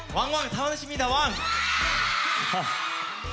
楽しみだワン！